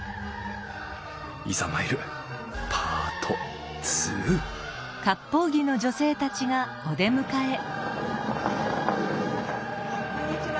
いざ参るパート２こんにちは。